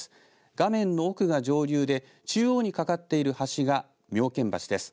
画面の奥が上流で使用に架かっている橋が妙見橋です。